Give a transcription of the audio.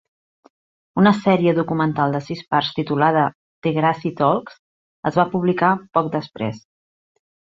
Una sèrie documental de sis parts titulada "Degrassi Talks" es va publicar poc després.